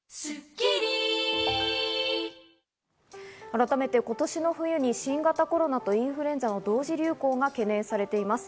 改めて今年の冬に新型コロナとインフルエンザの同時流行が懸念されています。